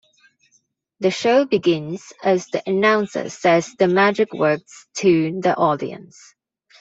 The show begins as the announcer says the magic words to the audience.